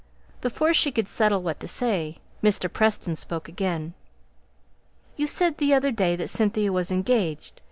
Before she could settle what to say, Mr. Preston spoke again. "You said the other day that Cynthia was engaged.